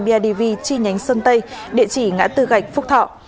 việt nam bidv chi nhánh sơn tây địa chỉ ngã tư gạch phúc thọ